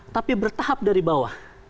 tapi bertahap dari bawah